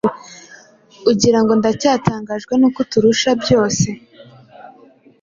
ugira ngo ndacyatangajwe n'uko uturusha byose?